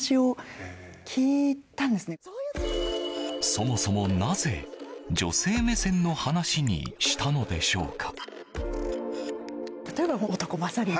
そもそもなぜ、女性目線の話にしたのでしょうか。